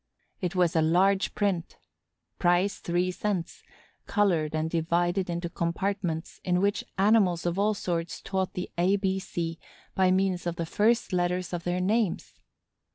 It was a large print, price three cents, colored and divided into compartments in which animals of all sorts taught the A B C by means of the first letters of their names.